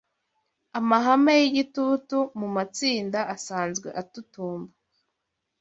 Amahame yigitutu mumatsinda asanzwe atutumba